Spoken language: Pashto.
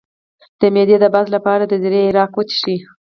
د معدې د باد لپاره د زیرې عرق وڅښئ